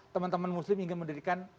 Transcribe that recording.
teman teman muslim ingin mendirikan